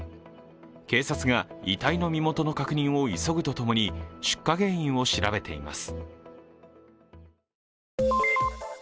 警察が遺体の身元の確認を急ぐとともに出火原因を調べています。